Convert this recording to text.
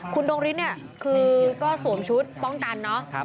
คุณดงฤทธิ์เนี่ยคือก็สวมชุดป้องกันเนาะ